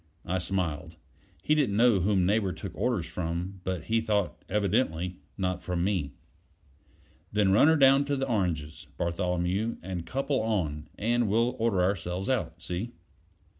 I smiled: he didn't know whom Neighbor took orders from; but he thought, evidently, not from me. "Then run her down to the oranges, Bartholomew, and couple on, and we'll order ourselves out. See?"